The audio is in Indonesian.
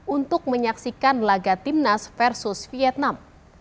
untuk menyaksikan laga timnas versus vietnam